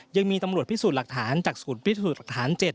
ยังมีตำรวจพิสูจน์หลักฐานจากศูนย์พิสูจน์หลักฐาน๗